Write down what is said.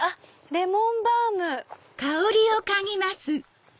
レモンバーム。